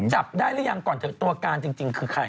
จับอะไรไยก่อนตัวการจริงคือใคร